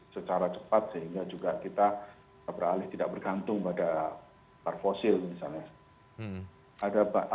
sehingga juga kita tidak bergantung pada bar fosil misalnya